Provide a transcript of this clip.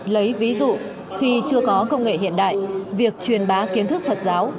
lấy ví dụ khi chưa có công nghệ hiện đại việc truyền bá kiến thức phật giáo